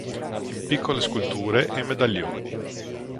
In piccole sculture e medaglioni.